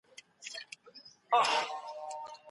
موږ نه ځغلوی .